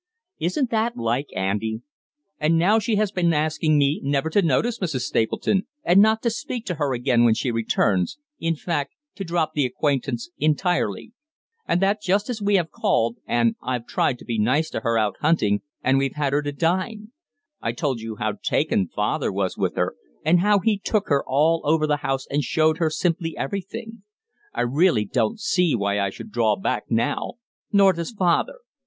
Isn't that like Auntie? And now she has been asking me never to notice Mrs. Stapleton, and not to speak to her again when she returns, in fact to drop the acquaintance entirely and that just as we have called, and I've tried to be nice to her out hunting, and we've had her to dine; I told you how taken father was with her, and how he took her all over the house and showed her simply everything. I really don't see why I should draw back now. Nor does father.